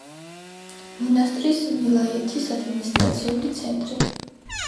მონასტირის ვილაიეთის ადმინისტრაციული ცენტრი.